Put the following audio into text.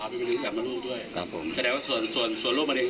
เป็นมะเร็งที่หวัดภาพกับลูกด้วยครับผมแสดงว่าส่วนส่วนส่วนลูกมะเร็ง